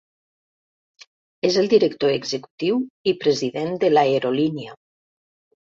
És el director executiu i president de l'aerolínia.